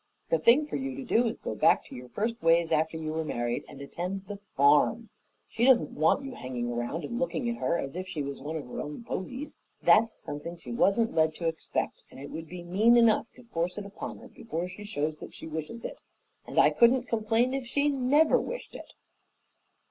The thing for you to do is to go back to your first ways after you were married and attend to the farm. She doesn't want you hanging around and looking at her as if she was one of her own posies. That's something she wasn't led to expect and it would be mean enough to force it upon her before she shows that she wishes it, and I couldn't complain if she NEVER wished it."